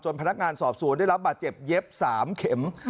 พนักงานสอบสวนได้รับบาดเจ็บเย็บ๓เข็ม